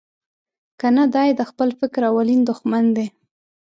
کنه دای د خپل فکر اولین دوښمن دی.